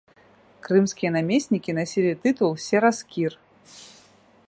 Крымскія намеснікі насілі тытул сераскір.